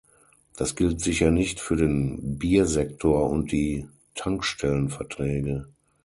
Das gilt sicher nicht für den Biersektor und die Tankstellenverträge.